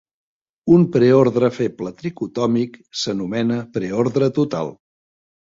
Un preordre feble tricotòmic s'anomena preordre total.